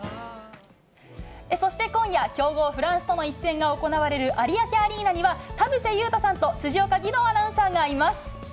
そして今夜、強豪フランスとの一戦が行われる有明アリーナには、田臥勇太さんと辻岡義堂アナウンサーがいます。